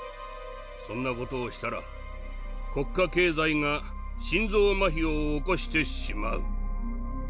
そんな事をしたら国家経済が心臓まひを起こしてしまう。